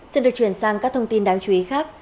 xin được chuyển sang các thông tin đáng chú ý khác